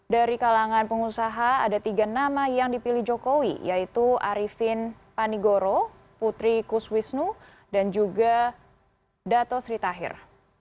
dari kalangan pengusaha ada tiga nama yang dipilih jokowi yaitu arifin panigoro putri kuswisnu dan juga dato sri tahir